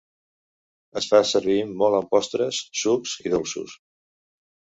Es fa servir molt en postres, sucs i dolços.